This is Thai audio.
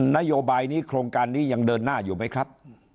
นโยบายนี้โครงการนี้ยังเดินหน้าอยู่ไหมครับ